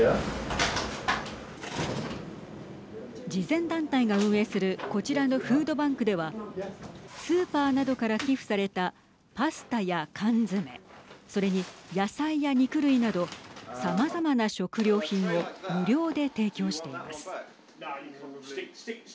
慈善団体が運営するこちらのフードバンクではスーパーなどから寄付されたパスタや缶詰それに野菜や肉類などさまざまな食料品を無料で提供しています。